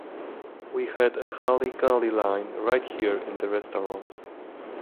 We had a hully-gully line right here in the restaurant.